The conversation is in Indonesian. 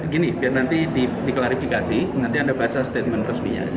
gini biar nanti diklarifikasi nanti anda baca statement resminya